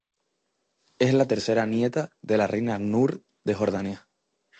Es la tercera nieta de la reina Noor de Jordania.